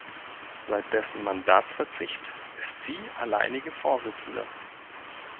Seit dessen Mandatsverzicht ist sie alleinige Vorsitzende.